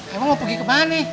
emang mau pergi ke mana nih